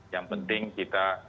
yang penting kita